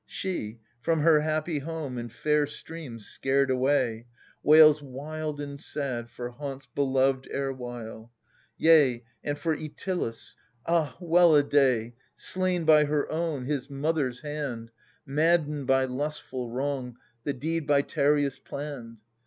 y\ \ STTe, from her happy home and fair streams scared away, Wails wild and sad for hauntsbelpved erewhile./ Yea, and for Itylus — ah, weU a oay \J^JChj(J {JQa^^^"'^ '^ Slain by her own, his mother's hand, i Maddened by lustful wrong, the deed by Tereus planned